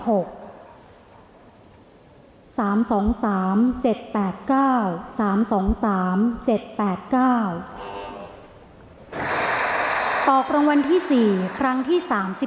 ออกรางวัลที่๔ครั้งที่๓๔